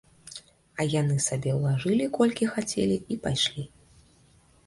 А яны сабе ўлажылі колькі хацелі і пайшлі.